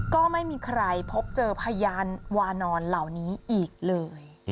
ก็ไม่มีใครพบเจอพยานวานอนเหล่านี้อีกเลย